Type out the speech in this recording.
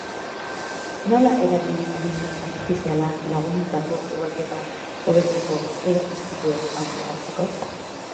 Nola erabili adimen artifiziala lagundutako ugalketa hobetzeko edo istripuei aurre hartzeko?